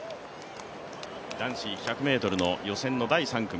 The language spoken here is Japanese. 男子１００ｍの予選の第３組。